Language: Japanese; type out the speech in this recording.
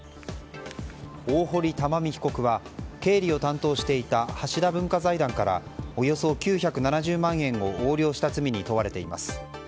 大堀たまみ被告は経理を担当していた橋田文化財団からおよそ９７０万円を横領した罪に問われています。